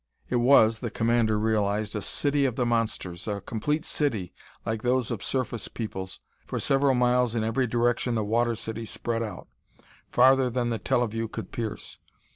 It was, the commander realized, a city of the monsters a complete city like those of surface peoples! For several miles in every direction the water city spread out, farther than the teleview could pierce.